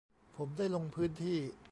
ผมได้ลงพื้นที่